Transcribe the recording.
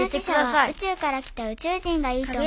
「月の使者は宇宙から来た宇宙人がいいと思います」。